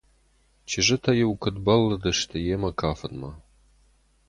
Чызджытӕ-иу куыд бӕллыдысты йемӕ кафынмӕ.